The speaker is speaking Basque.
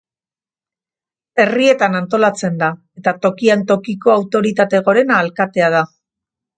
Herrietan antolatzen da eta tokian tokiko autoritate gorena alkatea da.